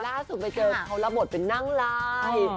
ล่าสุดไปเจอเค้าระบทเป็นนางร้าย